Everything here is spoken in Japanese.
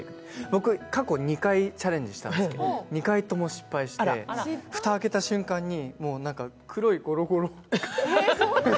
僕、過去２回、チャレンジしたんですけど、２回とも失敗して蓋開けた瞬間に、黒いゴロゴロ。